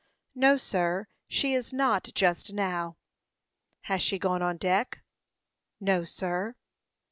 "No, sir; she is not, just now." "Has she gone on deck?" "No, sir."